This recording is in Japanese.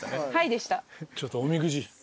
ちょっとおみくじ。